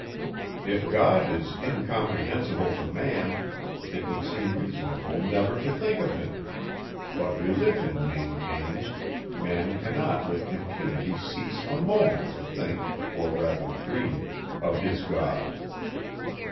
If God is incomprehensible to man, it would seem reasonable never to think of him; but religion maintains, man cannot with impunity cease a moment to think (or rather dream) of his God.